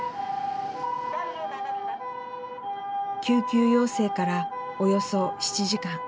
救急要請からおよそ７時間。